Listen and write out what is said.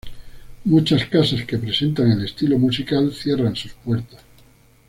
Muchas casas que presentan el estilo musical cierran sus puertas.